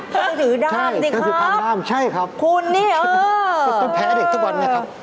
ต้องถือด้ามสิครับคุณเนี่ยต้องแพ้เด็กทุกวันนะครับ